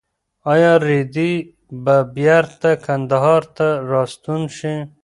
ایا رېدی به بېرته کندهار ته راستون شي؟